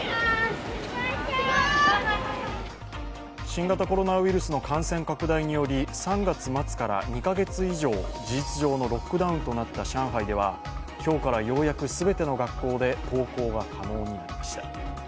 新型コロナウイルスの感染拡大により３月末から２か月以上、事実上のロックダウンとなった上海では今日からようやく全ての学校で登校が可能になりました。